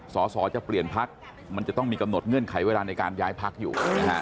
สอสอจะเปลี่ยนพักมันจะต้องมีกำหนดเงื่อนไขเวลาในการย้ายพักอยู่